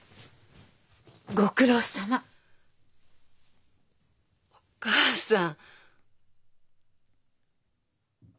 ご苦労さま！お義母さん。